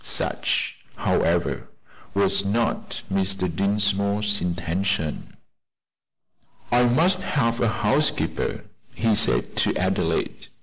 Such, however, was not Mr. Dinsmore's intention. "I must have a housekeeper," he said to Adelaide.